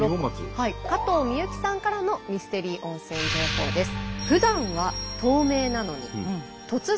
加藤美由紀さんからのミステリー温泉情報です。